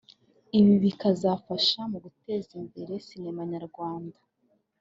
ibi bikazafasha mu guteza imbere sinema nyarwanda